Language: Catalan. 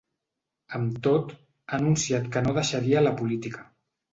Amb tot, ha anunciat que no deixaria la política.